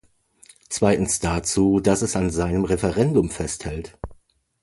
Zweitens dazu, dass es an seinem Referendum festhält.